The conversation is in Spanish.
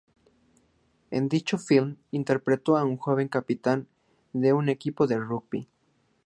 En dicho film interpretó a un joven capitán de un equipo de rugby.